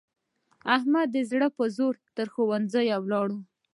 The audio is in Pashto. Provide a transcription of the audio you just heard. احمد د زړه په زور تر ښوونځي ولاړ.